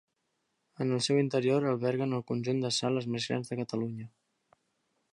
En el seu interior alberguen el conjunt de sales més grans de Catalunya.